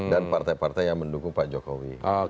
dan partai partai yang mendukung pak jokowi